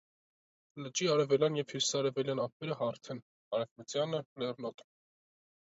Լճի արևելյան և հյուսիսարևելյան ափերը հարթ են, արևմտյանը՝ լեռնոտ։